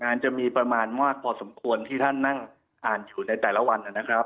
อาจจะมีประมาณมากพอสมควรที่ท่านนั่งอ่านอยู่ในแต่ละวันนะครับ